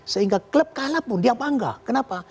sehingga klub kalah pun dia bangga kenapa